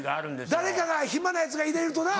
誰かが暇なヤツが入れるとな。